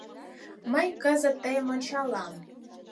Мый кызыт тыйым ончалам